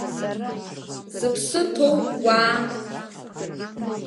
Зыԥсы ҭоу уаам.